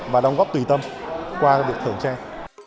và đồng góp tùy tâm qua việc thưởng trang